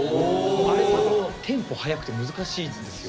あれ多分テンポ速くて難しいですよ。